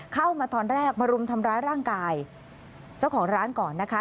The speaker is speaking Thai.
เข้ามาตอนแรกมารุมทำร้ายร่างกายเจ้าของร้านก่อนนะคะ